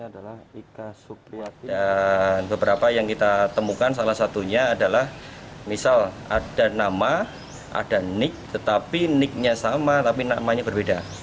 dan beberapa yang kita temukan salah satunya adalah misal ada nama ada nick tetapi nicknya sama tapi namanya berbeda